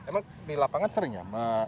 emang di lapangan sering nyaman